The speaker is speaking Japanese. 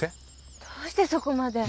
どうしてそこまで。